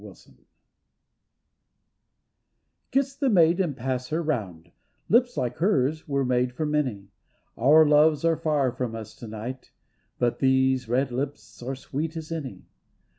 267 IN A CAFE Kiss the maid and pass her round, Lips like hers were made for many. Our loves are far from us to night, But these red lips are sweet as any.